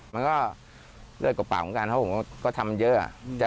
มันก็เลื้อดกับปากของการเพราะผมก็ทำเยอะ